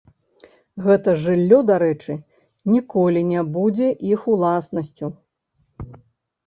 Гэта жыллё, дарэчы, ніколі не будзе іх уласнасцю.